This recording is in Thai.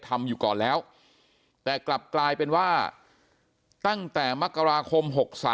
ทำอยู่ก่อนแล้วแต่กลับกลายเป็นว่าตั้งแต่มกราคม๖๓